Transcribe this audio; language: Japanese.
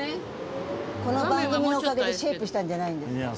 この番組のおかげでシェイプしたんじゃないですか？